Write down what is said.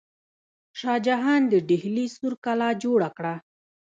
شاه جهان د ډیلي سور کلا جوړه کړه.